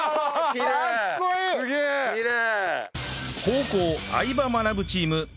後攻相葉マナブチーム